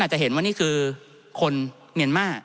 ท่านประธานครับนี่คือสิ่งที่สุดท้ายของท่านครับ